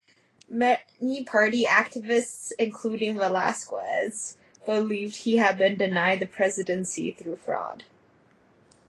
Many party activists, including Velasquez, believed he had been denied the presidency through fraud.